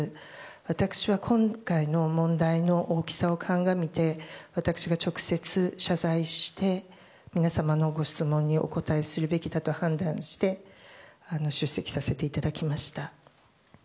私は今回の問題の大きさを鑑みて私が直接謝罪して皆様のご質問にお答えするべきだと判断して出席させていただきました。